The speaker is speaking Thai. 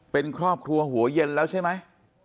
เป็นครอบครัวหัวเย็นแล้วใช่ไหม